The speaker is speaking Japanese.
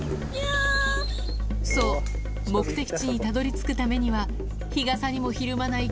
そう目的地にたどり着くためには日傘にもひるまない